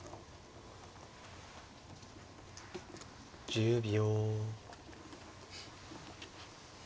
１０秒。